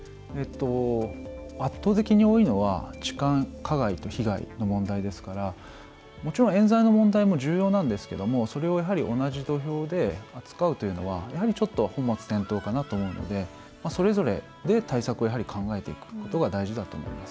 圧倒的に多いのは痴漢加害と被害の問題ですからもちろん、えん罪の問題も重要なんですけどもそれを同じ土俵で扱うというのはちょっと本末転倒かなと思うのでそれぞれで対策をやはり考えていくことが大事だと思います。